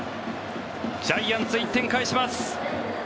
ジャイアンツ、１点返します。